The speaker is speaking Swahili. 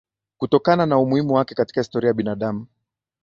Kutokana na umuhimu wake katika historia ya binadamu